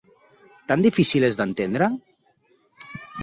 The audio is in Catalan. Tan difícil és d’entendre?